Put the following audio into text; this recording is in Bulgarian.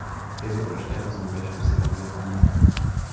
Те запращяха зловещо сред гъст дим.